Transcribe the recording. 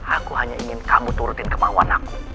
aku hanya ingin kamu turutin kemauan aku